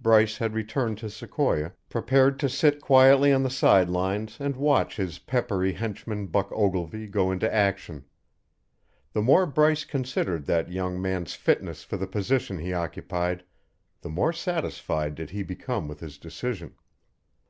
Bryce had returned to Sequoia, prepared to sit quietly on the side lines and watch his peppery henchman Buck Ogilvy go into action. The more Bryce considered that young man's fitness for the position he occupied, the more satisfied did he become with his decision.